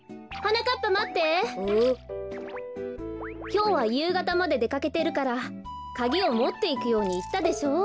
きょうはゆうがたまででかけてるからカギをもっていくようにいったでしょう。